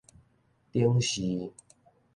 頂視